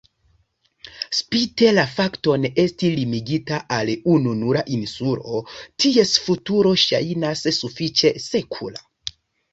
Spite la fakton esti limigita al ununura insulo, ties futuro ŝajnas sufiĉe sekura.